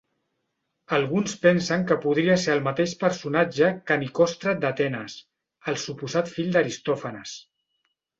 Alguns pensen que podria ser el mateix personatge que Nicòstrat d'Atenes el suposat fill d'Aristòfanes.